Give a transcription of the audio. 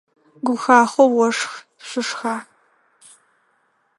Гухахъо ошх, шъухаӏ!